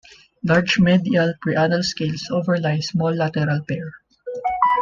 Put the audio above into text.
Large medial preanal scales overlie small lateral pair.